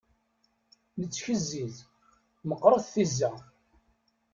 Nettkezziz meqrit tizza.